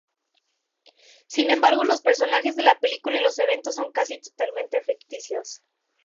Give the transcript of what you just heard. Sin embargo, los personajes de la película y los eventos son casi totalmente ficticios.